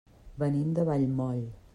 Venim de Vallmoll.